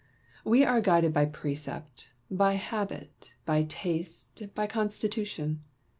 We are guided by precept, by habit, by taste, by constitution.